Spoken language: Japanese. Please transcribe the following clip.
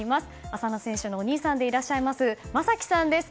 浅野選手のお兄さんでいらっしゃる将輝さんです。